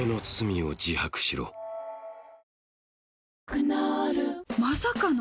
クノールまさかの！？